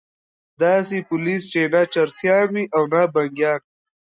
داسي پولیس چې نه چرسیان وي او نه بنګیان